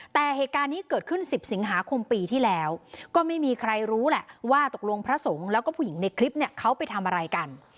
แต่เหตุการณ์นี้เกิดขึ้น๑๐สิงหาคมปีที่แล้วก็ไม่มีใครรู้แหละว่าตกลงพระสงฆ์แล้วก็ผู้หญิงในคลิปเนี่ยเขาไปทำอะไรกัน